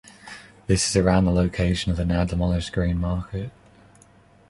This is around the location of the now demolished Green Market.